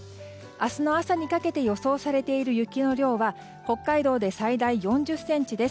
明日の朝にかけて予想されている雪の量は北海道で最大４０ｃｍです。